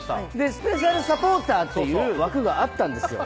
スペシャルサポーターっていう枠があったんですよ